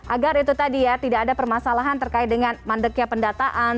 agar itu tadi ya tidak ada permasalahan terkait dengan mandeknya pendataan